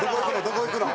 どこ行くの？